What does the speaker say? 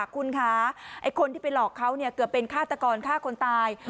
คุณคะไอ้คนที่ไปหลอกเขาเกือบเป็นฆาตกรฆ่าคนตาย